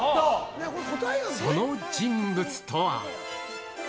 その人物とは。